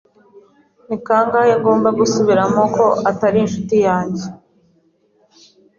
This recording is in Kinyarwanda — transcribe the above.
Ni kangahe ngomba gusubiramo ko atari inshuti yanjye?